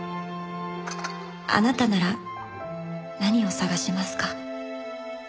「あなたなら何を探しますか？」